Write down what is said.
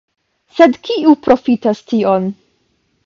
Sed kiu profitas tion?